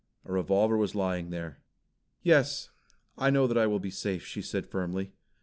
A revolver was lying there. "Yes, I know that I will be safe," she said firmly.